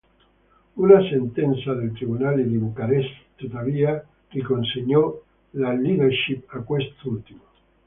Una sentenza del tribunale di Bucarest, tuttavia, riconsegnò la leadership a quest'ultimo.